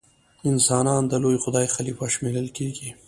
انسان د لوی خدای خلیفه شمېرل کیږي.